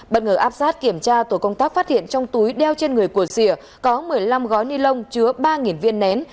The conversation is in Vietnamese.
bất ngờ áp sát kiểm tra tổ công tác phát hiện trong túi đeo trên người của dìa có một mươi năm gói ni lông chứa ba viên nén